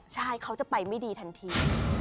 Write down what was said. ใช่เขาจะไปไม่ดีทันที